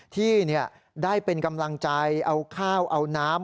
ที่ได้เป็นกำลังใจเอาข้าวเอาน้ำ